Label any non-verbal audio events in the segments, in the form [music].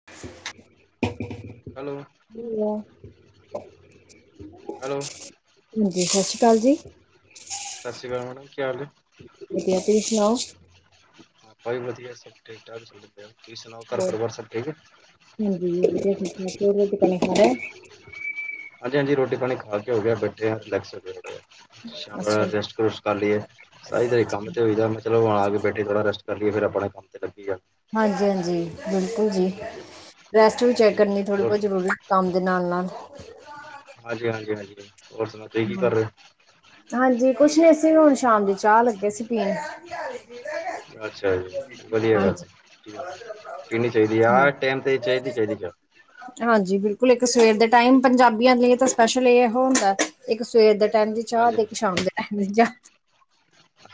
[unintelligible] Hello. ਹੁ hello ਹਾਂਜੀ ਸਤਿ ਸ਼੍ਰੀ ਅਕਾਲ ਜੀ। ਸਤਿ ਸ਼੍ਰੀ ਅਕਾਲ ਕੀ ਹਾਲ ਹੈ। ਵਧਿਆ ਤੁਸੀਂ ਸੁਣਾਓ? ਹਾਂ ਭਾਈ ਵਧੀਆ ਸਭ ਠੀਕ ਠਾਕ ਤੁਸੀਂ ਸੁਣਾਓ ਘਰ ਹੋਰ ਪਰਿਵਾਰ ਸਭ ਠੀਕ ਹੈ। [unintelligible] ਹੋਰ ਦੱਸੋ ਰੋਟੀ ਪਾਣੀ ਖਾ ਲਿਆ ਹਾਂਜੀ, ਹਾਂਜੀ ਰੋਟੀ ਪਾਣੀ ਖਾ ਕੇ ਹੋ ਗਿਆ ਬੈਠੇ ਰਿਲੇਕਸ ਹੋ ਕੇ ਸ਼ ਅੱਛਾ ਜੀ ਰੈਸਟ ਰੁਸਟ ਕਰ ਲਈਏ ਸਹੀ ਦਿਹਾੜੀ ਕੰਮ ਚਲੋ ਆ ਕੇ ਬੇਠੇ ਥੋੜ੍ਹਾ ਰੇਸਟ ਕਰਕੇ ਫਿਰ ਆਪਣੇ ਕੰਮ ਤੇ ਲੱਗੀ ਜਾ। ਹਾਂਜੀ, ਹਾਂਜੀ ਬਿਲਕੁਲ ਜੀ ਹਾਂਜੀ ਰੈਸਟ ਵੀ ਚੈੱਕ ਹਾਂਜੀ ਕਰਨੀ ਥੋੜ੍ਹੀ ਹੋਰ ਬਹੁਤ ਜ਼ਰੂਰੀ ਕੰਮ ਦੇ ਨਾਲ ਨਾਲ ਹਾਂਜੀ, ਹਾਂਜੀ, ਹਾਂਜੀ ਹੋਰ ਸੁਣਾ ਤੁਸੀਂ ਕੀ ਹਾਂ, ਕਰ ਰਹੇ ਹੋ। ਹਾਂਜੀ ਕੁਛ ਨੀ ਅਸੀਂ ਹੁਣ ਸ਼ਾਮ ਦੀ ਚਾਹ ਲੱਗੇ ਸੀ ਪੀਣ ਅੱਛਾ ਜੀ ਵਧੀਆ ਗੱਲ ਹੈ ਹਾਂਜੀ ਠੀਕ ਪੀਣੀ ਚਾਹੀਦੀ ਆਹ ਟਾਈਮ ਤੇ ਚਾਹੀਦੀ ਚਾਹੀਦੀ ਚਾਹ ਹਾਂਜੀ ਬਿਲਕੁਲ ਇੱਕ ਸਵੇਰ ਦੇ ਟਾਈਮ ਪੰਜਾਬੀਆਂ ਲਈ ਤਾਂ ਸਪੈਸ਼ਲ ਇਹ ਹੁੰਦਾ। ਇੱਕ ਸਵੇਰ ਦੇ ਟਾਈਮ ਚ ਚਾਹ ਤੇ ਹਾਂਜੀ ਇੱਕ ਸ਼ਾਮ ਦੇ ਟਾਈਮ ਚ ਚਾਹ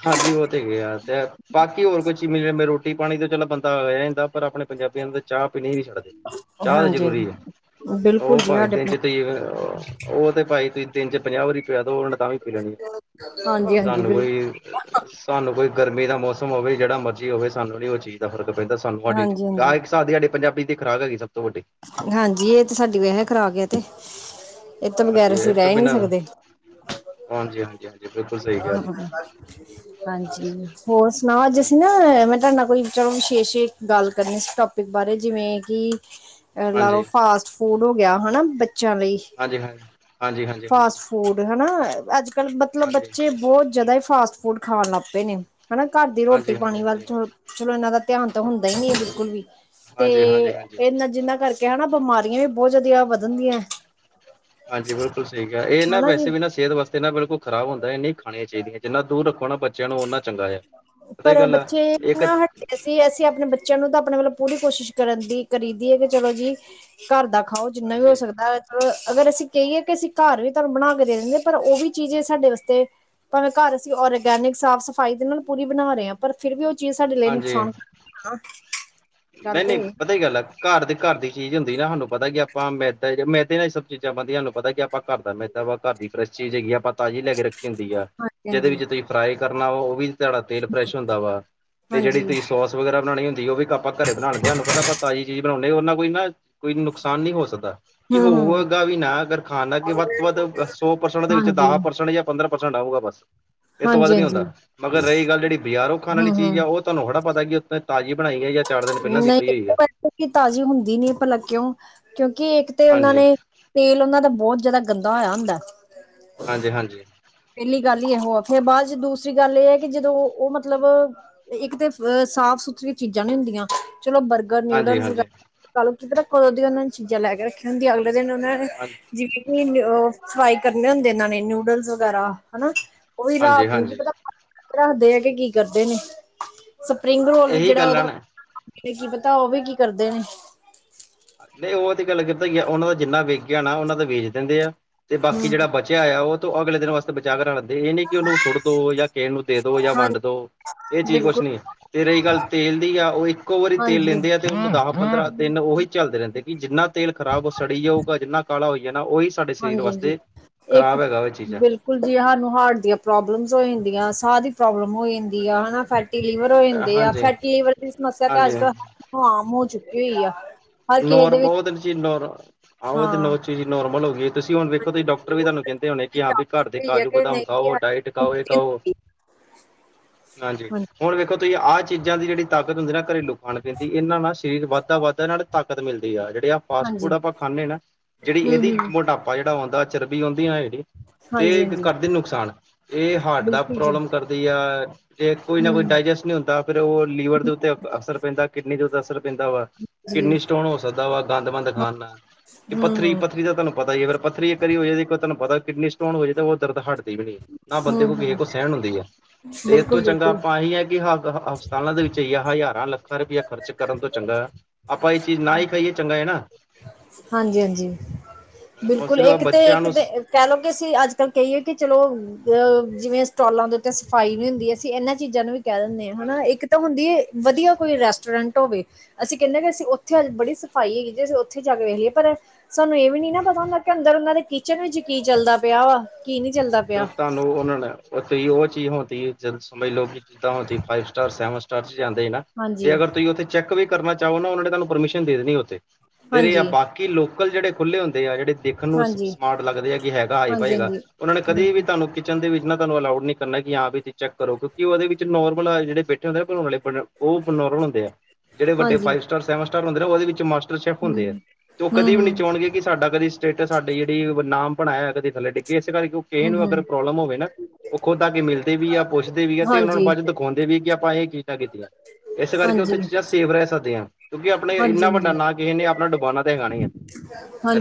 ਹਾਂਜੀ ਉਹ ਤੇ ਗਿਆ ਤੇ ਬਾਕੀ ਹੋਰ ਕੁਛ ਚੀ ਮਿਲਵੇ ਰੋਟੀ ਪਾਣੀ ਤੋਂ ਚਲੋ ਬੰਦਾ ਆ ਜਾਦਾਂ। ਪਰ ਆਪਣੇ ਪੰਜਾਬੀਆਂ ਨੂੰ ਤਾਂ ਚਾਹ ਪੀਣੀ ਵੀ ਛੱਡਦੇ ਚਾਹ ਤਾਂ ਹਾਂਜੀ ਜ਼ਰੂਰੀ ਆ ਬਿਲਕੁਲ ਉਹ ਜੀ ਭਾਵੇ ਸਾਡੇ ਦਿਨ ਚ ਉਹ ਤੇ ਭਾਈ ਤੁਸੀਂ ਦਿਨ ਚ ਪੰਜਾਹ ਵਾਰੀ ਪਿਆ ਦੋ ਉਹਨੇ ਤਾਂ ਵੀ ਪੀ ਲੈਣੀ ਆ ਤੇ ਹਾਂਜੀ ਹਾਂਜੀ ਸਾਨੂੰ ਬਿਲਕੁਲ ਕੋਈ ਸਾਨੂੰ ਕੋਈ ਗਰਮੀ ਦਾ ਮੌਸਮ ਹੋਵੇ ਜਿਹੜਾ ਮਰਜ਼ੀ ਹੋਵੇ ਸਾਨੂੰ ਨੀ ਉਹ ਚੀਜ਼ ਦਾ ਫਰਕ ਪੈਂਦਾ। ਸਾਡੀ ਹਾਂਜੀ ਚਾਹ ਹਾਂਜੀ ਇੱਕ ਦੀ ਸਾਡੇ ਪੰਜਾਬੀ ਦੀ ਖੁਰਾਕ ਹੈਗੀ ਸਭ ਤੋਂ ਵੱਡੀ ਹਾਂਜੀ ਇਹ ਤੇ ਸਾਡੀ ਵੇਸੇ ਖੁਰਾਕ਼਼਼਼ਏ ਤੇ ਇਹ ਤਾਂ ਹਾਂਜੀ ਬਗੈਰ ਇਹ ਅਸੀਂ ਰਹਿ ਤੋਂ ਹੀ ਨਹੀਂ ਬਿਨਾਂ ਸਕਦੇ। ਹਾਂਜੀ ਹਾਂਜੀ ਹਾਂਜੀ ਬਿਲਕੁਲ ਸਹੀ ਕਿਹਾ ਹਾਂਜੀ ਤੁਸੀਂ ਹੋਰ ਸੁਣਾ ਅੱਜ ਅਸੀਂ ਨਾ ਮੈਂ ਤੁਹਾਡਾ ਕੋਈ ਚਲੋ ਵਿਸ਼ੇਸ਼ ਗੱਲ ਕਰਨੀ ਇਸ ਟੋਪਿਕ ਬਾਰੇ ਜਿਵੇਂ ਕਿ ਲਾ ਹਾਂਜੀ ਲੋ ਹਾਂਜੀ ਫਾਸਟ ਫੂਡ ਹੋ ਗਿਆ ਹਨਾ ਬੱਚਿਆਂ ਲਈ ਹਾਂਜੀ ਹਾਂਜੀ ਹਾਂਜੀ ਹਾਂਜੀ ਹਾਂਜੀ ਫਾਸਟ ਫੂਡ ਹਨਾ ਅੱਜ ਕਲ ਮਤਲਬ ਬੱਚੇ ਬਹੁਤ ਜਿਆਦਾ ਹੀ ਫਾਸਟ ਫੂਡ ਖਾਣ ਲੱਗ ਪਏ ਨੇ ਹਨਾ ਘਰ ਦੀ ਰੋਟੀ ਹਾਂਜੀ ਪਾਣੀ ਹਾਂਜੀ ਵੱਲ ਹਾਂਜੀ ਚੋ ਚਲੋ ਇਹਨਾਂ ਦਾ ਧਿਆਨ ਤਾਂ ਹੁੰਦਾ ਹੀ ਨੀ ਹੈ ਬਿਲਕੁਲ ਵੀ ਤੇ ਹਾਂਜੀ ਹਾਂਜੀ ਹਾਂਜੀ ਇਹਨਾਂ ਜਿਨਾਂ ਕਰਕੇ ਹਨਾ ਬਿਮਾਰੀਆਂ ਵੀ ਬਹੁਤ ਜ਼ਦੀਆ ਵਧਣਦੀਆਂ ਹਾਂਜੀ ਬਿਲਕੁਲ ਸਠਹੀਕ ਹੈ ਇਹ ਨਾ ਹਨਾ ਵੈਸੇ ਜੀ ਵੀ ਨਾ ਸਿਹਤ ਵਾਸਤੇ ਨਾ ਬਿਲਕੁਲ ਖਰਾਬ ਹੁੰਦਾ ਇਨੀ ਖ ਚਾਹੀਦੀਆਂ ਜਿੰਨਾ ਦੂਰ ਰੱਖੋ ਨਾ ਬ ਪਰ ਬੱਚੇ ਇੱਕ ਨਾ ਹਟ ਅਸੀਂ ਅਸੀਂ ਆਪਣੇ ਬੱਚਿਆਂ ਨੂੰ ਤਾਂ ਆਪਣੇ ਵਲੋਂ ਪੂਰੀ ਕੋਸ਼ਿਸ਼ ਕਰਨ ਦੀ ਕਰੀ ਦੀ ਹੈ ਕਿ ਚਲੋ ਜੀ ਘਰ ਦਾ ਖਾਓ ਜਿੰਨਾ ਵੀ ਹੋ ਹਾਂਜੀ ਸਕਦਾ ਅ ਅਗਰ ਅਸੀਂ ਕਹੀਏ ਕਿ ਅਸੀਂ ਘਰ ਵੀ ਬਣਾ ਕੇ ਦੇ ਦਿੰਦੇ ਪਰ ਉਹ ਵੀ ਚੀਜ਼ ਸਾਡੇ ਵਾਸਤੇ ਭਾਵੇ ਘਰ ਅਸੀਂ ਔਰਗੇ ਗੈਨਿਕ ਸਾਫ਼ ਸਫ਼ਾਈ ਦੇ ਨਾਲ ਪੂਰੀ ਬਣਾ ਰਹੇ ਆ ਪਰ ਫਿਰ ਵੀ ਉਹ ਚੀਜ਼ ਸਾਡੇ ਲਈ ਨੁਕਸਾਨ ਗੱਲ ਨਹੀਂ ਤੇ ਨਹੀਂ ਇਹ ਪਤਾ ਹੀ ਗਲੱਗ ਘਰ ਦੀ ਘਰ ਦੀ ਚੀਜ਼ ਹੁੰਦੀ ਨਾ ਸਾਨੂੰ ਪਤਾ ਕੀ ਆਪਾਂ ਮੈ ਮੈਦੇ ਨਾਲ ਹੀ ਸਭ ਚੀਜ਼ਾਂ ਬਣਦੀਆਂ ਸਾਨੂੰ ਪਤਾ ਕਿ ਆਪਾਂ ਘਰ ਦਾ ਮੈ ਵਾਂ ਘਰ ਦੀ ਫਰੈਸ਼ ਚੀਜ਼ ਹੈਗੀ ਆਪਾਂ ਤਾਜ਼ੀ ਲੈ ਕੇ ਰੱਖੀ ਹੁੰਦੀ ਆ ਹਾਂਜੀ ਜਿਹਦੇ ਹਾਂਜੀ ਵਿੱਚ ਤੁਸੀਂ ਫਰਾਈ ਕਰਨਾ ਵਾ ਉਹ ਵੀ ਤੁਹਾਡਾ ਤੇਲ ਫਰੈਸ਼ ਹੁੰਦਾ ਵਾ ਤੇ ਜਿਹੜੀ ਹਾਂਜੀ ਤੁਸੀਂ ਸੋਸ ਵਗੈਰਾ ਬਉਣੀੁੰਦੀ ਉਹ ਵੀ ਕੱ ਘਰੇ ਬਣਾਉਣਦੇ ਸਾਨੂੰ ਪਤਾ ਆਪ ਤਾਜ਼ੀ ਚੀਜ਼ ਬਣਾਉਂਦੇ ਉਹਨਾਂ ਕੋਈ ਨਾ ਕੋਈ ਨੁਕਸਾਨ ਨੀ ਹੋ ਸਕਦਾ ਕਿ ਹੂੰ ਹੂੰ ਹੋਵੇਗਾ ਵੀ ਨਾ ਅਗਰ ਖਾਨਾ ਕਿ ਵੱਧ ਤੋਂ ਵੱਧ ਸੌ ਪਰਸੈਂਟ ਦੇ ਵਿੱਚ ਹਾਂਜੀ ਦਸ ਪਰਸੈਂਟ ਜਾਂ ਪੰਦਰਾਂ ਪਰਸੈਂਟ ਆਊਗਾ ਬਸ ਇਹ ਤੋਂ ਵੱਧ ਹਾਂਜੀ ਨੀ ਹਾਂਜੀ ਹੁੰਦਾ ਮਗਰ ਰਹੀ ਗੱਲ ਜਿਹੜੀ ਬਜ਼ਾਰ ਖਾਣੀ ਹੂੰ ਹੂੰ ਚੀਜ਼ ਆ ਉਹ ਤੁਹਾਨੂੰ ਹਥੜਾ ਪਤਾ ਕਿਥੇ ਤਾਜ਼ੀ ਬਣਾਈ ਹੈ ਚਾਰ ਦਿਨ ਪਹਿਲਾਂ ਦੀ ਪਈ ਨਹੀਂ ਹੋਈ ਆ ਉਹ ਤਾਜ਼ੀ ਹੁੰਦੀ ਨੀ ਭਲਾ ਕਿਉਂ ਕਿਉਂਕਿ ਇੱਕ ਤੇ ਉਹਨਾਂ ਹਾਂਜੀ ਨੇ ਤੇਲ ਉਹਨਾਂ ਦਾ ਬਹੁਤ ਜਿਆਦਾ ਗੰਦਾ ਹੋਇਆ ਹੁੰਦਾ ਹਾਂਜੀ ਹਾਂਜੀ ਪਹਿਲੀ ਗੱਲ ਹੀ ਇਹੋ ਆ ਫੇਿਰ ਬਾਅਦ ਚ ਦੂਸਰੀ ਗੱਲ ਇਹ ਹੈ ਕਿ ਜਦੋਂ ਉਹ ਮਤਲਬ ਇੱਕ ਤੇ ਅ ਸਾਫ਼ ਸੁਥਰੀਆਂ ਚੀਜ਼ਾਂ ਨੀ ਹੁੰਦੀਆਂ ਚਲੋ ਬਰ ਅਗਰ ਹਾਂਜੀ ਨੂਡਲ ਵਗੈਰਾ ਹਾਂਜੀ ਕ ਲੋ ਕਿਰ੍ਹਾਂ ਕੋਂ ਦੀ ਉਹਨਾਂ ਨੇ ਚੀਜ਼ਾਂ ਲੈ ਕੇ ਰੱਖ ਹੁੰਦੀ ਅਗਲੇ ਦਿਨ ਉਹਨਾਂ ਨੇ ਜਿਵੇਂ ਕਿ ਫਰਾਈ ਕਰਨੇ ਹੁੰਦੇਨਾਂ ਨੇ ਨੂਡਲਸ ਵਗੈਰਾ ਹਨਾ ਉਹ ਵੀ ਹਾਂਜੀ ਰਾਤ ਨੂੰ ਕੀ ਹਾਂਜੀ ਪਤਾ ਰੱਖਦੇ ਆ ਕੇ ਕੀ ਕਰਦੇ ਨੇ ਸਪਰਿੰਗ ਰੋਲ ਵੀ ਇਹੀ ਜਿਹੜਾ ਗੱਲ ਆ ਉਹਦਾ ਨਾ ਕੀ ਪਤਾ ਉਹ ਵੀ ਕੀ ਕਰਦੇ ਨੇ ਨਹੀਂ ਉਹ ਤੇ ਗੱਲ ਕਰਦਾ ਹੀ ਉਹਨਾਂ ਦਾ ਜਿੰਨਾ ਵੇਕਿਆ ਨਾ ਉਹਨਾਂ ਦਾ ਵੇਚ ਦਿੰਦੇ ਆ ਤੇ ਹੂੰ, ਬਾਕੀ ਹੂੰ, ਜਿਹੜਾ ਬੱਚਾ ਬੱਚਿਆ ਆਇਆ ਉਹੂੰ ਅਗਲੇ ਦਿਨ ਵਾਸਤੇ ਬਚਾ ਕਰਾ ਲੈਂਦੇ ਇਹ ਨੀ ਕਿ ਉਹਨੂੰ ਸੁਟ ਦੋ ਜਾਂ ਕਿਸੇਣ ਨੂੰ ਦੇ ਦੋ ਜਾਂ ਹਾਂਜੀ ਵੰਡ ਦੋ ਇਹ ਚੀਜ਼ ਕੁਛ ਬਿਲਕੁਲ ਨੀ ਤੇ ਰਹੀ ਗੱਲ ਤੇਲ ਦੀ ਆ ਉਹ ਇੱਕੋ ਵਾਰੀ ਤੇਲ ਹਾਂਜੀ, ਲੈਂਦੇ ਆ ਤਿੰਨ ਦਸ ਪੰਦਰਾਂ ਦਿਨ ਉਹੀ ਚੱਲਦੇ ਰਹਿੰਦੇ ਕਿ ਜਿੰਨਾ ਤੇਲ ਖਰਾਬ ਸੜੀ ਜਾਊਗਾ ਜਿੰਨਾ ਕਾਲਾ ਹੋ ਜਾਣਾ ਉਹੀ ਸਾਡੇ ਸਰੀਰ ਹਾਂਜੀ ਹਾਂਜੀ ਵਾਸਤੇ ਇੱਕ ਖ਼ਰਾਬ ਹੈਗਾ ਉਹ ਚੀਜ਼ਾਂ ਬਿਲਕੁਲ ਬੁਲ ਜ ਸਾਨੂੰ ਹਾਰਟ ਦੀਆਂ ਪ੍ਰੋਬਲਮਸ ਹੋ ਜਾਂਦੀਆਂ ਸਾਹ ਦੀ ਪ੍ਰੋਬਲਮ ਹੋ ਹਾਂਜੀ ਆ ਹਨਾ ਫੈਟੀ ਲੀਵਰ ਹੋ ਜਾਂਦੇ ਹਾਂਜੀ ਆ ਫੈਟੀ ਲਿਵਰ ਦੀ ਸਮੱਸਿਆ ਤਾਂ ਅੱਜ ਹਾਂਜੀ ਕੱਲ ਹਮ ਹੋ ਚੁੱਕੀ ਹੋ ਹੀ ਆ ਹਰ ਕਿਸੇ ਨੋਰ ਦੇ ਵਿੱਚ ਉਹਦ ਚੀਜ਼ ਨੋਰ ਹਾਂ, ਨ ਚੀਜ਼ ਨੋਰਮਲ ਹੋ ਤੁਸੀਂ ਹੁਣ ਵੇਖੋ ਤੁਸੀ ਡਾਕਟਰ ਹਾਂਜੀ, ਵੀ ਉਹ ਤੁਹਾਨੂੰ ਕਹਿੰਦੇ ਹੋੁੰਣੇ ਕਿ ਹਾਂ ਵੀ ਘਰ ਦੇ ਹੋਈ ਆ ਕਾਜੂ ਕਿ ਬਦਾਮ ਨਹੀਂ ਜੀ ਖਾਓ ਹਰ ਕਿਸੇ ਡਾਇਟ ਨੂੰ ਖਾਓ ਇਹ ਖਾੋ [inaudible] ਹਾਂਜੀ ਹੁਣ ਵੇਖੋ ਤੁਸੀਂ ਆਹ ਚੀਜ਼ਾਂ ਦੀ ਜਿਹੜੀ ਤਾਕਤ ਹੁੰਦੀ ਨਾ ਘਰੇਲੂ ਖਾਣ ਪੈਂਦੀ ਇਹਨਾਂ ਨਾਲ ਸਰੀਰ ਵੱਧਦਾ ਵੱਧਦਾ ਇਹਨਾਂ ਮਿਲਦੀ ਆ ਜਿਹੜੀ ਫਾਸਟ ਹਾਂਜੀ, ਹਾਂਜੀ, ਫੂਡ ਆਪਾਂ ਖਾਂਦੇ ਨਾ ਜਿਹੜੀ ਇਹਦੀ ਮ ਹੂੰ-ਹੂੰ, ਮਢਾਪਾ ਜਿਹੜਾ ਆਉਂਦਾ ਚਰਬੀ ਆਉਂਦੀ ਆ ਜੜ ਤੇ ਹਾਂਜੀ-ਹਾਂਜੀ, ਕਰਦੇ ਨੁਕਸਾਨ ਇਹ ਹਾਰਟ ਦਾ ਬਿਲਕੁਲ ਜੀ, ਪ੍ਰੋਬਲਮ ਕਰਦੀ ਆ ਜ ਕੋਈ ਨਾ ਕੋਈ ਹੂੰ, ਡਾਇਜੈਸਟ ਨਹੀਂ ਹੁੰਦਾ ਫੇਿਰ ਉਹ ਲੀਵਰ ਦੇ ਉੱਤੇ ਅਸਰ ਪੈਂਦਾ ਕਿਡਨੀ ਦੇ ਉੱਤੇ ਅਸਰ ਪੈਂਦਾ ਵਾ ਜੀ, ਕਿਡਨੀ ਸਟੋਨ ਹੋ ਸਕਦਾ ਵਾ ਗੰਦ ਬੰਦ ਖਾਣ ਨਾਲ ਇਹ ਪੱਥਰੀ ਹੂੰ-ਹੂੰ, ਪੱਥਰੀ ਦਾ ਤੁਹਾਨੂੰ ਪਤਾ ਹੀ ਫਿਰ ਪੱਥਰੀ ਕਰੀ ਹੋ ਜਾਏ ਤੁਹਾਨੂੰ ਪਤਾ ਕਿਡਨੀ ਸਟੋਨ ਹੋ ਜਾਏ ਤਾਂ ਉਹ ਦਰਦ ਹਟਦੀ ਵੀ ਨਹੀਂ ਨਾ ਬੰਦੇ ਕੋਲ ਕਿਸੇ ਹੂੰ-ਹੂੰ, ਕੋ ਸਹਿਣ ਹੁੰਦੀ ਹੈ ਤੇ ਇਸ ਤੋਂ ਚੰਗਾ ਬਿਲਕੁਲ-ਬਿਲਕੁਲ। ਆਪਾਂ ਇਹੀ ਹੈ ਕਿ ਹ ਹਸਪਤਾਲਾਂ ਦੇ ਵਿੱਚ ਈਆ ਹਜ਼ਾਰਾਂ ਲੱਖਾਂ ਰੁਪਇਆ ਖਰਚ ਕਰਨ ਤੋਂ ਚੰਗਾ ਆਪਾਂ ਇਹ ਚੀਜ਼ ਨਾ ਹੀ ਖਾਈਏ ਚੰਗਾ ਹੈ ਨਾ ਹਾਂਜੀ ਹਾਂਜੀ ਉਹ ਬਿਲਕੁਲ ਸਿਰਫ ਇੱਕ ਤੇ ਬੱਚਿਆਂ ਇੱਕ ਨੂੰ ਤੇ ਕਹਿ ਲਓ ਕਿ ਅਸੀਂ ਅੱਜ ਕੱਲ ਕਹੀਏ ਕਿ ਚਲੋ ਅ ਜਿਵੇਂ ਸਟੋਾਲਾਂ ਦੇ ਉੱਤੇ ਸਫ਼ਾਈ ਨਹੀਂ ਹੁੰਦੀ ਅਸੀਂ ਇਹਨਾਂ ਚੀਜ਼ਾਂ ਨੂੰ ਵੀ ਕਹਿ ਦਿੰਦੇ ਹ ਹਨਾ ਹਾਂਜੀ ਇੱਕ ਤਾਂ ਹੁੰਦੀ ਵਧੀਆ ਕੋਈ ਰੈਸਟੋਰੈਂਟ ਹੋਵੇ ਅਸੀਂ ਕਹਿੰਦੇਾਂ ਕਿ ਅਸੀਂ ਉੱਥੇ ਅ ਬੜੀ ਸਫਾਈ ਹੈਗੀ ਜੇ ਅਸੀਂ ਉੱਥੇ ਜਾ ਕੇ ਵੇਖ ਲਈਏ ਪਰ ਸਾਨੂੰ ਇਹ ਨਹੀਂ ਨਾ ਹਾਂਜੀ ਪਤਾ ਹੁੰਦਾ ਕਿ ਅੰਦਰ ਉਹਨਾਂ ਦੇ ਕਿਚਨ ਵਿੱਚ ਕੀ ਚੱਲਦਾ ਪਿਆ ਵਾ ਕੀ ਨਹੀਂੀ ਚੱਲਦਾ ਪਿਆ ਤੇ ਤੁਹਾਨੂੰ ਉਹਨਾਂ ਨੇ ਉੱਥੇ ਉਹ ਚੀਜ਼ ਹੁੰਦੀ ਜਦ ਸਮ ਲੋ ਜਿੱਦਾਂ ਹੁੰਦੀ ਫਾਈਵ ਸਟਾਰ ਸੈਵਨ ਸਟਾਰ ਚ ਜਾਂਦੇ ਨਾ ਤੇ ਹਾਂਜੀ ਅਗਰ ਤੁਸੀਂ ਉੱਥੇ ਚੈੱਕ ਵੀ ਕਰਨਾ ਚਾਹੋ ਨਾ ਉਹ ਨੇ ਤੁਹਾਨੂੰ ਪਰਮਿਸ਼ਨ ਦੇਣੀ ਉੱਥੇ ਦੇ ਰਹੇ ਆ ਹਾਂਜੀ ਬਾਕੀ ਕਿ ਲੋਕਲ ਜਿਹੜੇ ਖੁੱਲ੍ਹੇ ਹੁੰਦੇ ਆ ਜਿਹੜੇ ਦੇਖਣ ਨੂੰ ਹਾਂਜੀ ਸਮਾਰਟ ਲੱਗਦੇ ਆ ਕਿ ਹੈਗਾ ਹਾਂਜੀ ਹਾਈਫਾਈਗਾ ਹਾਂਜੀ ਉਹਨਾਂ ਨੇ ਕਦੇ ਵੀ ਬਿਲਕੁਲ ਤੁਹਾਨੂੰ ਕਿਚਨ ਦੇ ਵਿੱਚ ਨਾਹਾਨੂੰ ਅਲਾਉਡ ਨੀ ਕਰਨਾ ਕਿ ਹਾਂ ਵੀ ਤੁਸੀ ਚੈੱਕ ਕਰੋ ਕਿਉਂਕਿ ਉਹਦੇ ਵਿੱਚ ਨੋਰਮਲ ਜੇੜੇ ਬੈਠੇੁੰ ਹੂੰਦੇ [unintelligible] ਉਹ ਓਪ ਨੋਰਮਲ ਹੁੰਦੇ ਐ ਜੇੜੇ ਵੱਡੇ ਹਾਂਜੀ ਫਾਈਵ ਸਟਾਰ ਸੈਵਨ ਸਟਾਰ ਹੁੰਦੇ ਉਹਦੇ ਵਿੱਚ ਮਾਸ ਸ਼ੈਫ ਹੁੰਦੇ ਐ ਹਮ ਤੇ ਉਹ ਕਦੇ ਹਮ ਵੀ ਨੀ ਹਮ ਚੋਣਗੇ ਕਿ ਸਾਡਾ ਕਦੇ ਸਟੇਟਸ ਸਾਡੇ ਨਾਮ ਬਣ ਆਇਆ ਕਦੇ ੱਲੇ ਡਿੱਕੇ ਕਰਕੇ ਕਿਸੇ ਹਮ ਨੂੰ ਹਮ ਅਗਰ ਪ੍ਰੋਬਲਮ ਹੋਵੇ ਨਾ, ਉਹ ਖੁਦ ਆ ਕੇ ਮਿਲਦੇ ਵੀ ਆ ਪੁੱਛਦੇ ਵੀ ਆ ਤੇ ਉਹਨਾਂ ਹਾਂਜੀ ਬਾਦ ਚ ਦਿਖਾਉਂਦੇ ਵੀ ਕਿ ਆਪਾਂ ਇਹ ਚੀਜ਼ਾਂ ਕੀਤੀਆਂ, ਇਸ ਕਰਕੇ ਉੱਥੇ ਹਾਂਜੀ ਚੀਜ਼ਾਂ ਸੇਫ ਰਹ ਸਕਦੀਆਂ। ਕਿਉਂਕਿ ਆਪਣੇ ਇੰਨਾ ਹਾਂਜੀ-ਹਾਂਜੀ, ਵੱਡਾ ਨਾਂ ਕਿਸੇ ਨੇ ਆਪਨਾ ਡੁਬਾਨਾ ਤਾਂ ਹੈਗਾ ਨੀ ਐ।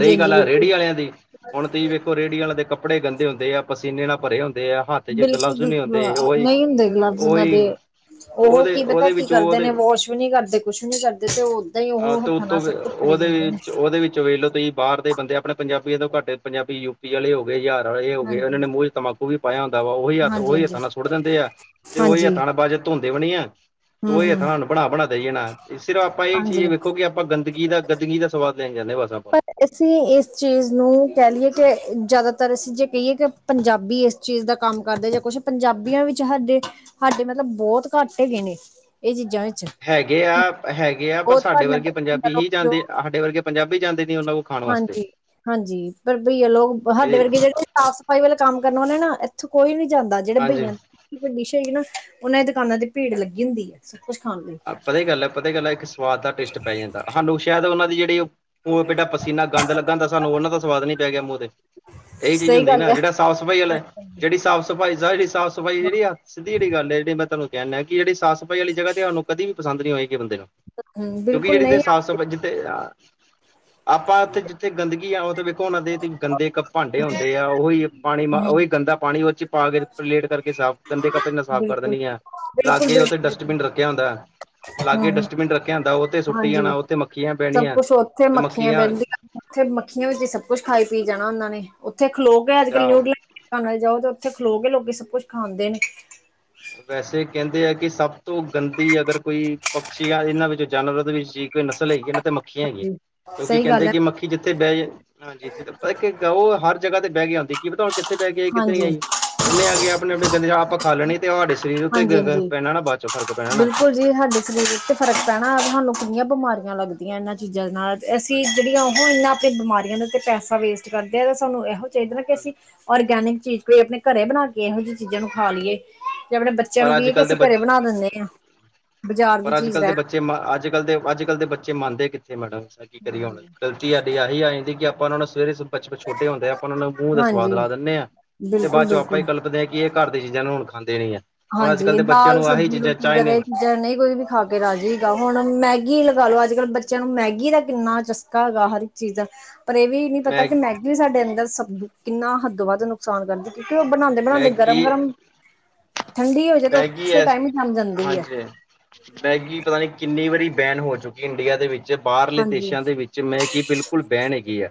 ਰਹੀ ਗੱਲ ਆ ਬਿਲਕੁਲ। ਰੇਹੜੀ ਆਲਿਆਂ ਦੀ ਹੁਣ ਤੁਸੀਂ ਵੇਖ ਰੇੜੀ ਆਲੇ ਦੇ ਕੱਪੜੇ ਗੰਦੇ ਹੁੰਦੇ ਆ, ਪਸੀਨੇ ਨਾਲ ਭਰੇ ਹੁੰਦੇ ਆ। ਹੱਥ ਚ ਗਲਵਸ ਨਹੀਂ ਬਿਲਕੁਲ-ਬਿਲਕੁਲ ਹੁੰਦੇ ਉਹੀ ਨਹੀਂ ਹੁੰਦੇ ਗਲਬਜ਼ ਉਨਾਂ ਦੇ। ਉਹੀ ਉਹ ਉਹਦੇ ਕੀ ਪਤਾ ਉਹਦੇ ਕਿ ਵਿੱਚ ਕਰਦੇ ਨੇ ਉਹਦੇ ਵਾਸ਼ ਵੀ ਨੀ ਕਰਦੇ, ਕੁੱਛ ਨੀ ਕਰਦੇ ਤੇ ਓਦਾਂ ਹੀ ਅ ਉਹ ਤੇ ਹੱਥਾਂ ਨਾਲ ਉਤੋਂ ਸਭ ਕੁਛ ਕਰੀ ਉਹਦੇ ਜਾਂਦੇ ਨੇ। ਵਿੱਚ, ਉਹਦੇ ਵਿੱਚ ਵੇਖਲੋ ਤੁਸੀਂ ਬਾਰ ਦੇ ਬੰਦੇ ਆਪਣੇ ਪੰਜਾਬੀਆਂ ਤੋਂ ਘੱਟੇ ਪੰਜਾਬੀ ਯੂਪੀ ਵਾਲੇ ਹੋ ਗਏ, ਹਜ਼ਾਰ ਵਾਲੇ ਓਨਾਂ ਨੇ ਹਾਂਜੀ, ਮੂੰਹ ਚ ਤੰਬਾਕੂ ਵੀ ਪਾਇਆ ਹੁੰਦਾ ਵਾ, ਓਹੀ ਹੱਥ ਓਹੀ ਹਾਂਜੀ-ਹਾਂਜੀ, ਹੱਥਾਂ ਨਾਲ ਸੁੱਟ ਦਿੰਦੇ ਆ ਤੇ ਓਹੀ ਹਾਂਜੀ ਹੱਥਾਂ ਨਾਲ ਬਾਦ ਚ ਧੋਂਦੇ ਵੀ ਨੀ ਐ ਤੇ ਓਈ ਹੂੰ-ਹੂੰ। ਹੱਥਾਂ ਨਾ ਬਣਾ-ਬਣਾ ਦੇਈ ਜਾਨਾ, ਸਿਰਫ ਆਪਾਂ ਇਹ ਹਾਂਜੀ ਚੀਜ਼ ਵੇਖੋ ਕਿ ਆਪਾਂ ਗੰਦਗੀ ਦਾ, ਗੰਦਗੀ ਦਾ ਸਵਾਦ ਲੈਣ ਜਾਂਦੇ ਹਾਂ ਬਸ ਆ ਪਰ ਅਸੀਂ ਇਸ ਚੀਜ਼ ਨੂੰ, ਕਹਿ ਲਈਏ ਕਿ ਜ਼ਿਆਦਾਤਰ ਅਸੀਂ ਜੇ ਕਹੀਏ ਕੇ ਪੰਜਾਬੀ ਇਸ ਚੀਜ਼ ਦਾ ਕੰਮ ਕਰਦੇ ਜਾਂ ਕੁਛ ਪੰਜਾਬੀਆਂ ਵਿੱਚ ਸਾਡੇ ਸਾਡੇ ਮਤਲਬ ਬੋਤ ਘੱਟ ਹੈਗੇ ਨੇ ਇਹ ਚੀਜ਼ਾਂ ਵਿੱਚ। ਹੈਗੇ ਆ, ਹੈਗੇ ਗੇ ਆ ਪਰ ਬਹੁਤ ਸਾਡੇ ਘੱਟ ਨੇ ਵਰਗੇ ਪਰ ਪੰਜਾਬੀ ਹੀ ਲੋਕ ਜਾਂਦੇ, ਜੋ ਸਾਡੇ ਵਰਗੇ ਪੰਜਾਬੀ ਜਾਂਦੇ ਨੀ ਓਨਾਂ ਕੋਲ ਖਾਣ ਵਾਸਤੇ। ਹਾਂਜੀ, ਹਾਂਜੀ ਪਰ ਭਈਆ ਲੋਕ ਸਾਡੇ ਇਹ ਵਰਗੇ ਜਿਹੜੇ ਸਾਫ਼ ਸਫ਼ਾਈ ਵਾਲੇ ਕੰਮ ਕਰਨ ਵਾਲੇ ਨਾ ਇੱਥੋਂ ਕੋਈ ਨੀ ਜਾਂਦਾ ਜਿਹੜੇ ਹਾਂਜੀ ਭਈਆਂ ਕਿ ਹਮੇਸ਼ਾ ਈ ਨਾ ਉਹਨਾਂ ਦੀ ਦੁਕਾਨਾਂ ਤੇ ਭੀੜ ਲੱਗੀ ਹੁੰਦੀ ਐ ਸਭ ਕੁੱਝ ਖਾਣ ਲਈ। ਪਤਾ ਗੱਲ ਹੈ, ਪਤਾ ਗੱਲ ਇੱਕ ਸਵਾਦ ਦਾ ਟੇਸਟ ਪੈ ਜਾਂਦਾ ਸਾਨੂੰ ਸ਼ਾਇਦ ਉਹਨਾਂ ਦੀ ਜਿਹੜੀ ਉਹ ਪੇਡਾ ਪਸੀਨਾ ਗੰਦ ਲਗਾ ਹੂੰਦਾ ਸਾਨੂੰ ਉਹਨਾਂ ਦਾ ਸਵਾਦ ਨੀ ਪੈ ਗਿਆ ਮੂੰਹ ਦੇ। ਇਹੀ ਚੀਜ਼ ਸਹੀ ਹੁੰਦੀ ਗੱਲ ਨਾ, ਹੈ। ਜਿਹੜਾ ਸਾਫ਼ ਸਫ਼ਾਈ ਵਾਲਾ ਐ ਹਾਂਜੀ, ਜਿਹੜੀ ਸਾਫ਼ ਸਫਾਈ ਸਾਫ਼ ਸਫਾਈ ਜੇੜੀ ਆ ਸਿੱਧੀ ਜਿਹੀ ਗੱਲ ਏ, ਜੇੜੀ ਮੈਂ ਤੁਆਨੁ ਕਹਨਾ ਕਿ ਜੇੜੀ ਸਾ ਸਫ਼ਾਈ ਵਾਲੀ ਜਗਾਹ ਹੋਏਗੀ ਕਦੀ ਵੀ ਪਸਦ ਨਹੀਂ ਹੋਏਗੀ ਬੰਦੇ ਨੂੰ। ਹੂੰ ਕਿਉਂਕਿ ਬਿਲਕੁਲ ਜਿਹੜੀ ਨਹੀਂ ਸਾਫ਼ ਆਖਦੇ ਸਫ਼ਾਈ ਜਿੱਥੇ ਆਪਾਂ ਉੱਥੇ ਗੰਦਗੀ ਆ ਉਹ ਤੇ ਵੇਖੋ ਉਹਨਾਂ ਦੇ ਗੰਦੇ ਇੱਕ ਭਾਂਡੇ ਹੁੰਦੇ ਆ ਓਈ ਪਾਣੀ ਹੂੰ ਓਈ ਗੰਦਾ ਪਾਣੀ ਓਦੇ ਚ ਪਾ ਕੇ ਪਲੇਟ ਕਰਕੇ ਸਾਫ਼ ਗੰਦੇ ਕੱਪੜੇ ਨਾਲ ਸਾਫ਼ ਕਰ ਬਿਲਕੁਲ, ਦੇਣੀ ਐ, ਬਿਲਕੁਲ, ਲਾਗੇ ਉੱਥੇ ਬਿਲਕੁਲ ਡਸਟਬਿਨ ਰੱਖਿਆ ਹੁੰਦਾ। ਹੂੰ ਲਾਗੇ ਹੂੰ ਡਸਟਬਿਨ ਰੱਖਿਆ ਹੁੰਦਾ, ਓਥੇ ਸੁੱਟੀ ਜਾਣਾ ਹਾਂਜੀ ਓਥੇ ਮੱਖੀਆਂ ਸਭ ਬੈਣੀਆਂ ਕੁਛ ਉੱਥੇ ਤੇ ਮੱਖੀਆਂ ਬਹਿੰਦੀਆਂ ਉੱਥੇ ਮੱਖੀਆਂ ਵਿੱਚ ਹੀ ਸਭ ਕੁਝ ਖਾਈ ਪੀ ਜਾਣਾ ਉਹਨਾਂ ਨੇ, ਉੱਥੇ ਖਲੋ ਗਏ ਅੱਜ ਕੱਲ ਨਿਊਡਲ [unintelligible] ਜਾਓ ਤੇ ਓਥੇ ਖਲੋ ਕੇ ਲੋਕ ਸਭ ਕੁੱਝ ਖਾਂਦੇ ਨੇ। ਵੈਸੇ ਕਹਿੰਦੇ ਆ ਕਿ ਸਭ ਤੋਂ ਗੰਦੀ ਅਗਰ ਕੋਈ ਪਕਸ਼ੀ ਆ ਇਹਨਾਂ ਵਿੱਚ ਜਾਨਵਰਾਂ ਦੇ ਵਿੱਚ ਜੇ ਕੋਈ ਨਸਲ ਹੈਗੀ, ਇਹਨਾਂ ਤੇ ਮੱਖੀਆਂ ਹੈਗੀਆਂ ਨੇ ਕਿਉਂਕਿ ਸਹੀ ਗੱਲ ਕਹਿੰਦੇ ਹੈ ਕਿ ਮੱਖੀ ਜਿੱਥੇ ਬਹਿ ਜੇ ਹਾਂਜੀ ਪਤਾ ਕ ਉਹ ਹਰ ਜਗ੍ਹਾ ਤੇ ਬਹਿ ਕੇ ਆਂਦੀ ਕੀ ਪਤਾ ਹੁਣ ਕਿੱਥੇ ਬੈ ਕੇ ਆਈ, ਕਿੱਥੇ ਨੀ ਹਾਂਜੀ। ਆਈ ਉਹਨੇ ਆ ਕੇ ਆਪਣੇ‌ ਆਪਣੇ ਗੰਦੇ ਆਪ‌ ਤਾਂ ਖਾ ਲੈਣੀ ਤੁਹਾਡੇ ਸਰੀਰ ਉੱਤੇ ਗ ਗ ਹਾਂਜੀ-ਹਾਂਜੀ। ਪੈਣਾ ਨਾ, ਬਾਦ ਚੋਂ ਫਰਕ ਪੈਣਾ ਨਾ। ਬਿਲਕੁਲ ਜੀ ਸਾਡੇ ਸਰੀਰ ਵਿੱਚ ਤੇ ਫ਼ਰਕ ਪੈਣਾ, ਸਾਨੂੰ ਕਿੰਨੀਆਂ ਬਿਮਾਰੀਆਂ ਲੱਗਦੀਆਂ ਇਹਨਾਂ ਚੀਜ਼ਾਂ ਦੇ ਨਾਲ ਤੇ ਅਸੀਂ ਹਾਂਜੀ, ਜਿਹੜੀਆਂ ਉਹ ਇੰਨਾ ਆਪਣੇ ਬਿਮਾਰੀਆਂ ਦੇ ਉੱਤੇ ਪੈਸਾ ਵੇਸਟ ਕਰਦੇ ਆ ਤਾਂ ਸਾਨੂੰ ਇਹੋ ਚਾਹੀਦਾ ਨਾ ਕੇ ਅਸੀਂ ਔਰਗੈਨਿਕ ਚੀਜ਼ ਕੋਈ ਆਪਣੇ ਘਰੇ ਬਣਾ ਕੇ ਇਹੋ ਜਿਹੀ ਚੀਜ਼ਾਂ ਨੂੰ ਖਾ ਲਈਏ। ਜੇ ਆਪਣੇ ਬੱਚਿਆਂ ਨੂੰ ਪਰ ਅੱਜ ਕਹੀਏ ਕਿ ਕੱਲ੍ਹ ਦੇ ਅਸੀਂ ਬੱਚੇ ਘਰੇ ਬਣਾ ਦੇਨੇ ਆ ਬਾਜ਼ਾਰ ਦੀ ਪਰ ਅੱਜ ਚੀਜ਼ ਕੱਲ੍ਹ ਦੇ ਰਹਿਣ ਬੱਚੇ ਅੱਜ ਕੱਲ ਦੇ, ਅੱਜ ਕੱਲ੍ਹ ਦੇ ਬੱਚੇ ਮੰਨਦੇ ਕਿੱਥੇ ਮੈਡਮ, ਅਸਾਂ ਕੀ ਕਰੀਏ ਹੁਣ ਸਾਡੀ ਆਹੀ ਆ ਜਾਂਦੀ ਕਿ ਆਪਾਂ ਉਹਨਾਂ ਨੂੰ ਸਵੇਰੇ ਬਚਪਨ ਚ ਛੋਟੇ ਹੁੰਦਿਆਂ ਆਪਾਂ ਉਹਨਾਂ ਨੂੰ ਮੂੰਹ ਦਾ ਸਵਾਦ ਹਾਂਜੀ ਲਾ ਦਿੰਨੇ ਆ ਤੇ ਬਾਅਦ ਚੋਂ ਆਪਾਂ ਹੀ ਬਿਲਕੁਲ-ਬਿਲਕੁਲ। ਕਲਪਦੇ ਆ ਕੀ ਇਹ ਘਰ ਦੀ ਚੀਜ਼ਾਂ ਨੂੰ ਹੁਣ ਖਾਂਦੇ ਨੀ ਆ ਹਾਂਜੀ ਦਾਲ ਸਬਜ਼ੀ ਰੋਟੀ ਵਗੈਰਾ ਇਹ ਚੀਜ਼ਾਂ ਨਹੀਂ ਕੋਈ ਵੀ ਖਾ ਰਾਜੀ ਹੈਗਾ ਹੁਣ ਮੈਗੀ ਲਗਾ ਲਓ ਅੱਜ ਕੱਲ੍ਹ ਬੱਚਿਆਂ ਨੂੰ ਮੈਗੀ ਦਾ ਕਿੰਨਾ ਚਸਕਾ ਹੈਗਾ ਹਰ ਇੱਕ ਚੀਜ਼ ਦਾ ਪਰ ਇਹ ਵੀ ਨਹੀਂ ਪਤਾ ਮੈਗ ਕਿ ਮੈਗੀ ਵੀ ਸਾਡੇ ਅੰਦਰ ਸ ਕਿੰਨਾ ਹੱਦੋ ਵੱਦ ਨੁਕਸਾਨ ਕਰਦਾ ਕਿ ਉਹ ਬਣਾਂਦੇ ਬਣਾਂਦੇ ਗਰਮ ਮੈਗੀ ਗਰਮ ਠੰਡੀ ਹੋ ਜਾਏ ਤਾਂ ਮੈਗੀ ਉਸੇ ਏ ਟਾਈਮ ਹੀ ਜੰਮ ਜਾਂਦੀ ਹੈ ਹਾਂਜੀ ਮੈਗੀ ਪਤਾ ਨੀ ਕਿੰਨੀ ਵਾਰੀ ਬੈਨ ਹੋ ਚੁੱਕੀ ਇੰਡੀਆ ਦੇ ਵਿੱਚ। ਜੇ ਬਾਹਰਲੇ ਹਾਂਜੀ ਦੇਸ਼ਾਂ ਦੇ ਵਿੱਚ ਮੈਗੀ ਬਿਲਕੁਲ ਬੈਨ ਹੈਗੀ ਐ।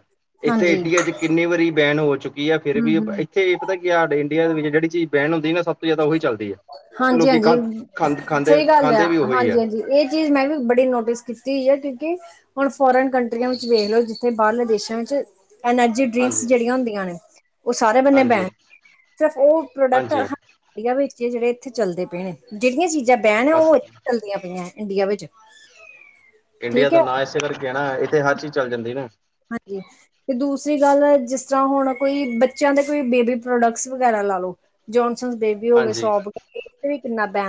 ਇੱਥੇ ਹਾਂਜੀ ਇੰਡੀਆ ਚ ਕਿੰਨੀ ਵਾਰੀ ਬੈਨ ਹੋ ਚੁੱਕੀ ਆ ਫਿਰ ਵੀ ਹਮ ੲ ਹਮ ਇੱਥੇ ਪਤਾ ਕੀ ਏ ਆਹਡੇ ਇੰਡੀਆ ਦੇ ਵਿੱਚ ਜਿਹੜੀ ਚੀਜ਼ ਬੈਣ ਹੁੰਦੀ ਨਾ ਸਭ ਤੋਂ ਜਿਆਦਾ ਉਹੀ ਚੱਲਦੀ ਏ। ਹਾਂਜੀ, ਹਾਂਜੀ ਸਹੀ ਗੱਲ ਆ ਖਾਂਦੇ ਵੀ ਉਹੀ ਹਾਂਜੀ, ਆ। ਹਾਂਜੀ ਇਹ ਚੀਜ਼ ਮੈਂ ਵੀ ਬੜੀ ਨੋਟਿਸ ਕੀਤੀ ਹੋਈ ਆ ਕਿਉਂਕਿ ਹੁਣ ਫੋਰਨ ਕੰਟਰੀਆਂ ਵਿੱਚ ਵੇਖ ਲੋ ਬਾਹਰਲੇ ਦੇਸ਼ਾਂ ਵਿੱਚ ਐਨਰਜੀ ਡ੍ਰਿੰਕਸ ਹਾਂਜੀ, ਜਿਹੜੀਆਂ ਹੁੰਦੀਆਂ ਨੇ ਉਹ ਸਾਰੇ ਬੰਨੇ ਹਾਂਜੀ, ਬੈਨ ਸਿਰਫ ਫੁਡ ਪ੍ਰੋਡਕਟ ਹਾਂਜੀ ਹੈਗਾ ਵੀ ਵਿੱਚ ਜਿਹੜੇ ਇੱਥੇ ਚੱਲਦੇ ਪਏ ਨੇ ਜਿਹੜੀਆਂ ਚੀਜ਼ਾਂ ਬੈਨ ਬਸ ਉਹ ਇ ਚੱਲਦੀਆਂ ਪਈਆਂ ਇੰਡੀਆ ਵਿੱਚ ਇੰਡੀਆ ਠੀਕ ਦਾ ਹੈ ਨਾਂ ਏਸੇ ਕਰਕੇ ਆ ਨਾ ਇੱਥੇ ਹਰ ਚੀਜ਼ ਚੱਲ ਜਾਂਦੀ ਨਾ ਹਾਂਜੀ ਤੇ ਦੂਸਰੀ ਗੱਲ ਜਿਸ ਤਰ੍ਹਾਂ ਹੁਣ ਕੋਈ ਬੱਚਿਆਂ ਦੇ ਕੋਈ ਬੇਬੀ ਪ੍ਰੋਡਕਟਸ ਵਗੈਰਾ ਲਾ ਲਓ ਜੋਨਸਨ ਬੇਬ ਹਾਂਜੀ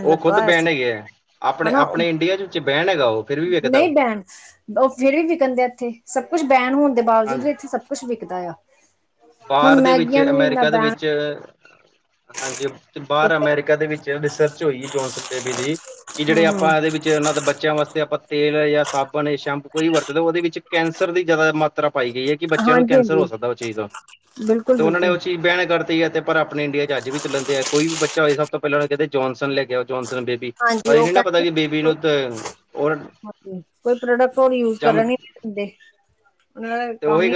ਉਹ ਲੱਗਾ ਖੁਦ ਹੋਇਆ ਬੈਨ ਸੀ ਹੈਗੇ ਆ ਆਪਣੇ ਹਨਾ ਆਪਣੇ ਇੰਡੀਆ ਚ ਚ ਬੈਨ ਹੈਗਾ ਉਹ ਫਿਰ ਵੀ ਵਿਕਦਾ ਨਹੀਂ ਉਹ ਬੈਨ ਉਹ ਫੇਰ ਵੀ ਵਿਕਨ ਦਿਆ ਇੱਥੇ ਸਭ ਕੁੱਛ ਬੈਨ ਹੋਨ ਦੇ ਬਾਵਜੂਦ ਹਾਂਜੀ। ਵੀ ਇੱਥੇ ਸਭ ਸਭ ਕੁਛ ਵਿਕਦਾ ਆ ਹੁਣ ਬਾਹਰ ਦੇ ਵਿੱਚ ਮੈਗੀਆਂ ਨੂੰ ਵੀ ਇੰਨਾ ਅਮੇਰੀਕਾ ਦੇ ਬੈਨ ਵਿੱਚ ਹਾਂਜੀ ਬਾਹਰ ਅਮੇਰੀਕਾ ਦੇ ਵਿੱਚ ਰਿਸਰਚ ਹੋਈ ਆ ਜੋਨਸਨ ਬੇਬੀ ਦੀ ਕਿ ਜਿਹੜੇ ਹੂੰ ਹੂੰ ਆਪਾਂ ਇਹਦੇ ਵਿੱਚ ਇਹਨਾਂ ਦੇ ਬੱਚਿਆਂ ਵਾਸਤੇ ਆਪਾਂ ਤੇਲ ਜਾਂ ਸਾਬਣ ਜਾਂ ਸ਼ੈਂਪੂ ਕੋਈ ਵੀ ਵਰਤਦੇ ਉਹਦੇ ਵਿੱਚ ਕੈਂਸਰ ਦੀ ਜ਼ਿਆਦਾ ਮਾਤਰਾ ਪਾਈ ਗਈ ਏ ਕਿ ਬੱਚਿਆਂ ਨੂੰ ਹਾਂਜੀ ਕੈਂਸਰ ਹਾਂਜੀ ਹੋ ਸਕਦਾ ਉਹ ਚੀਜ਼ ਦਾ ਬਿਲਕੁਲ ਤੇ ਉਹਨਾਂ ਨੇ ਉਹ ਬਿਲਕੁਲ ਚੀਜ਼ ਬੈਨ ਕਰਤੀ ਏ ਤੇ ਪਰ ਆਪਣੇ ਇੰਡੀਆ ਚ ਅੱਜ ਵੀ ਚੱਲਣ ਦੇ ਆ ਕੋਈ ਵੀ ਬੱਚਾ ਬੱਚਾ ਹੋਏ ਸਭ ਤੋਂ ਪਹਿਲਾਂ ਉਹਨੂੰ ਕਹਿੰਦੇ ਜੋਨਸਨ ਲੈ ਕੇ ਆਓ ਜੋਨਸਨ ਬੇਬੀ ਹਾਂਜੀ ਪਰ ਇਹ ਉਹ ਨੀ ਨਾ ਪਤਾ ਕਿ ਕਹਿੰਦੇ ਬੇਬੀ ਨੂੰ ਤੇ ਕੋਈ ਪ੍ਰੋਡਕਟ ਹੋਰ ਯੂਜ ਜੰਮ ਕਰਨ ਨਹੀ ਦਿੰਦੇ ਉਹਨਾਂ ਦਾ ਕੰਮ ਹੀ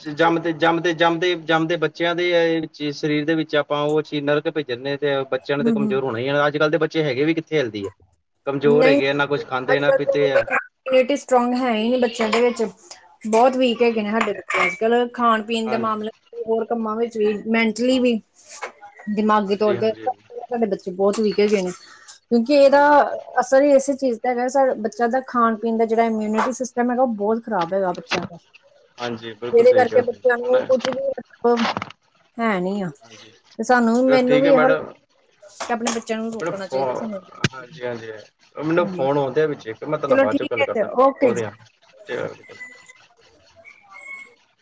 ਜੰਮਦੇ-ਜੰਮਦੇ ਜੰਮਦੇ ਜੰਮਦੇ ਬੱਚਿਆਂ ਦੇ ਇਹ ਸਰੀਰ ਦੇ ਵਿੱਚ ਆਪਾਂ ਉਹ ਚੀਜ਼ ਨਰਕ ਭੇਜਣਦੇ ਹਾਂ ਤੇ ਬੱਚਿਆਂ ਨੇ ਤਾਂ ਹੂੰ ਹੂੰ ਕਮਜ਼ੋਰ ਹੋਣਾ ਹੀ ਆ ਅੱਜ ਕੱਲ ਦੇ ਬੱਚੇ ਹੈਗੇ ਵੀ ਕਿੱਥੇ ਹੈਲਦੀ ਆ ਕਮਜ਼ੋਰ ਨਹੀਂ ਹੈਗੇ ਆ ਨਾ ਕੁੱਛ ਖਾਂਦੇ ਅੱਜ ਨਾ ਪ ਕੱਲ੍ਹ ਤਾਂ ਤੇ ਏ ਇਮਿਊਨਿਟੀ ਸਟਰੋਂਗ ਹੈ ਈ ਨੀ ਬੱਚਿਆਂ ਦੇ ਵਿੱਚ ਬਹੁਤ ਵੀਕ ਹੈਗੇ ਨੇ ਸਾਡੇ ਬੱਚੇ ਅੱਜ ਕੱਲ੍ਹ ਖਾਣ ਪੀਣ ਦੇ ਹਾਂਜੀ ਮਾਮਲੇ ਹੋਰ ਕੰਮਾਂ ਵਿੱਚ ਵੀ ਮੈਂਂਟਲੀ ਵੀ ਦਿਮਾਗੀ ਹਾਂਜੀ ਹਾਂਜੀ ਤੌਰ ਤੇ ਹਾਂਜੀ ਸਾਡੇ ਬੱਚੇ ਬਹੁਤ ਵੀਕ ਹੈਗੇ ਨੇ ਕਿਉਂਕਿ ਇਹਦਾ ਹਾਂਜੀ ਅਸਰ ਹੀ ਇਸੇ ਚੀਜ਼ ਦਾ ਹੈਗਾ ਸਾ ਬੱਚਿਆ ਦਾ ਖਾਣ ਪੀਣ ਦਾ ਜਿਹੜਾ ਇਮਿਊਨਿਟੀ ਸਿਸਟਮ ਹੈਗਾ ਉਹ ਬਹੁਤ ਖਰਾਬ ਹੈਗਾ ਬੱਚਿਆਂ ਦਾ ਹਾਂਜੀ ਬਿਲਕੁਲ ਸਹੀ ਕਿਹਾ ਤੁਸੀ ਹੁਣ ਉਹ ਹੈ ਨੀ ਆ ਤੇ ਸਾਨੂੰ ਚਲੋ ਮੈਨੂੰ ਠੀਕ ਵੀ ਹੈ ਇਹੋ ਮੈਡਮ ਆਪਣੇ ਬੱਚਿਆਂ ਨੂੰ ਮੈਨੂੰ ਰੋਕਣਾ ਚਾਹੀਦਾ ਫੋਨ ਸਾਨੂੰ ਹਾਂਜੀ ਹਾਂਜੀ ਉਹ ਮੈਨੂੰ ਹਾਂਜੀ ਫੋਨ ਆਉਂਦੇ ਆ ਵਿੱਚੇ ਮੈਂ ਤੁਹਨੂੰ ਚਲੋ ਬਾਅਦ ਚੋਂ ਠੀਕ ਗੱਲ ਹੈ ਕਰਦਾ ਓਕੇ ਜੀ ਮ [unintelligible]